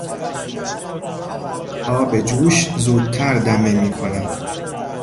آب جوش زودتر دمه میکند.